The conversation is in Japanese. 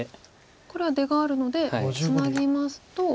これは出があるのでツナぎますと。